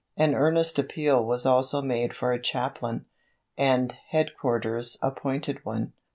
An earnest appeal was also made for a chaplain, and "headquarters" appointed one.